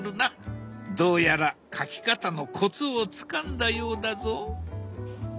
どうやら描き方のコツをつかんだようだぞ。